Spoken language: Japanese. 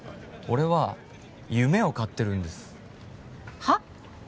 俺は夢を買ってるんですは？